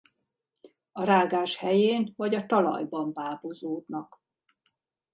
A rágás helyén vagy a talajban bábozódnak.